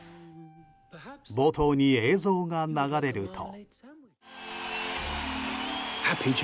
冒頭に映像が流れると。